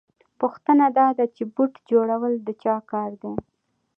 پوښتنه دا ده چې بوټ جوړول د چا کار دی